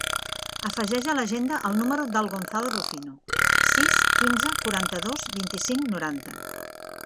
Afegeix a l'agenda el número del Gonzalo Rufino: sis, quinze, quaranta-dos, vint-i-cinc, noranta.